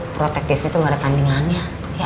protektifnya tuh gak ada tandingannya ya